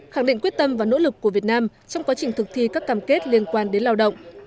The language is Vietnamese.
khẳng định quyết tâm và nỗ lực của việt nam trong quá trình thực thi các cam kết liên quan đến lao động